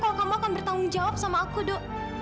kalau kamu akan bertanggung jawab sama aku dok